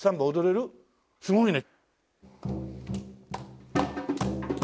すごいね。